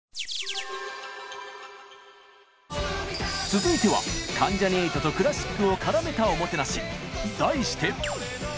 続いては関ジャニ∞とクラシックを絡めたおもてなし。